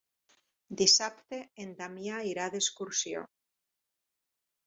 Dissabte en Damià irà d'excursió.